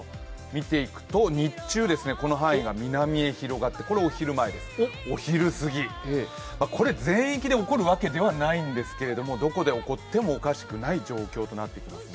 見ていくと日中、この範囲が南へ広がって、お昼前からお昼過ぎ、これ、全域で起こるわけではないんですけど、どこで起こってもおかしくない状況となっていますね。